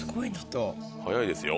早いですよ